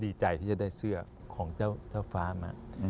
ดีใจที่จะได้เสื้อของเจ้าฟ้ามา